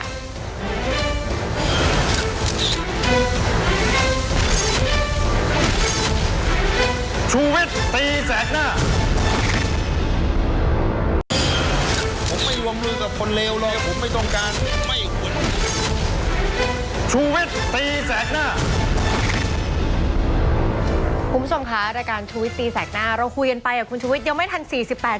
คุณผู้ชมครับรายการชูวิทย์ตีแสกหน้าเราคุยกันไปกับคุณชูวิทย์ยังไม่ทัน๔๘ชั่วครับ